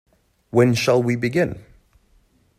When shall we begin?